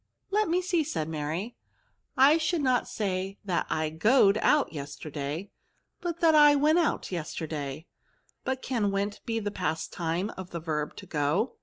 *' Let me see," said Mary ;" I should not say that I goed out yesterday, but that I went out yesterday ; but can went be the past time of the verb to go